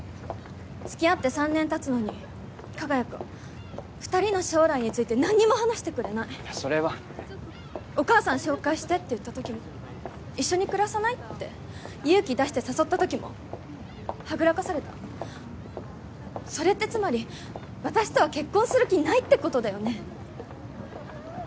つきあって３年たつのに加賀谷君２人の将来について何も話してくれないいやそれは「お母さん紹介して」って言ったときも「一緒に暮らさない？」って勇気出して誘ったときもはぐらかされたそれってつまり私とは結婚する気ないってことだよね？